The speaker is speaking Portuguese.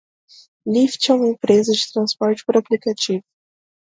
Lyft é uma empresa de transporte por aplicativo.